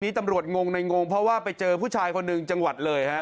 ตำรวจงงในงงเพราะว่าไปเจอผู้ชายคนหนึ่งจังหวัดเลยฮะ